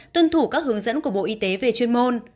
tuân thủ các hướng dẫn của bộ y tế về chuyên môn